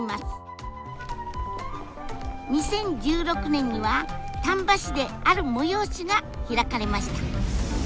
２０１６年には丹波市である催しが開かれました。